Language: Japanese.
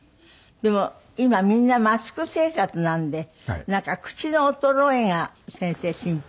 でも今みんなマスク生活なんでなんか口の衰えが先生心配。